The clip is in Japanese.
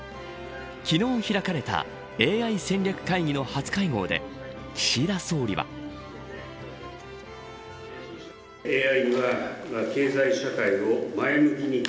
昨日、開かれたＡＩ戦略会議の初会合で岸田総理は。激化する開発競争。